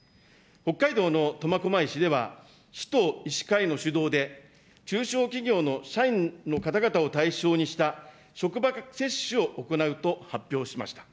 北海道の苫小牧市では、市と医師会の主導で、中小企業の社員の方々を対象にした職場接種を行うと発表しました。